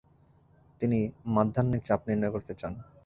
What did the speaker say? তিনি মাধ্যাহ্নিক চাপ নির্ণয় করতে চান।